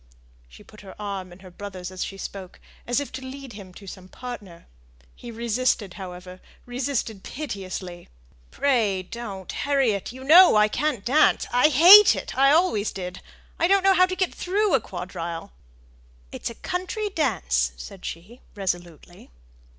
She put her arm in her brother's as she spoke, as if to lead him to some partner. He resisted, however resisted piteously. "Pray don't, Harriet. You know I can't dance. I hate it; I always did. I don't know how to get through a quadrille." "It's a country dance!" said she, resolutely.